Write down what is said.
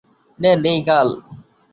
নেন এই গাল!